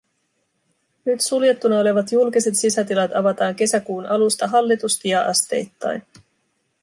Nyt suljettuna olevat julkiset sisätilat avataan kesäkuun alusta hallitusti ja asteittain.